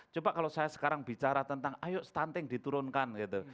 coba kalau saya sekarang bicara tentang ayo stunting diturunkan gitu